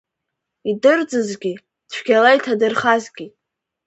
Идырӡызгьы, цәгьала иҭадырхазгьы…